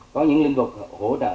có những lĩnh vực hỗ trợ